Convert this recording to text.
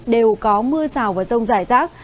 đều có mưa rào và rông dài rác